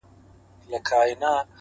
هره ستونزه د حل وړ ده.!